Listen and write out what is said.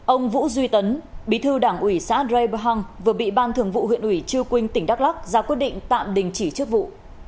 ông vũ duy tấn bí thư đảng ủy xã rebhaung vừa bị ban thường vụ huyện ủy chư quynh tỉnh đắk lắc ra quyết định tạm đình chỉ chức vụ